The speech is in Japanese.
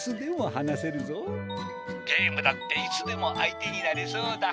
「ゲームだっていつでも相手になれそうだ」。